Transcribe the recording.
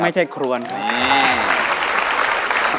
ไม่ใช่ครวนครับ